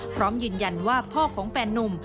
พร้อมยืนยันว่าพ่อของแฟนนุ่ม